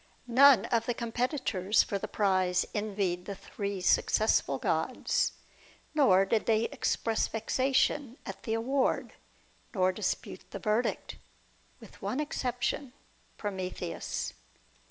None of the competitors for the prize envied the three successful gods ; nor did they express vexation at the award, nor dispute the verdict — with one exception, Prometheus.